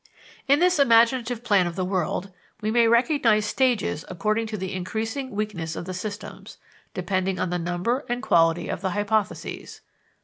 In this imaginative plan of the world we may recognize stages according to the increasing weakness of the systems, depending on the number and quality of the hypotheses.